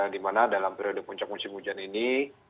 dimana dalam periode puncak musim hujan ini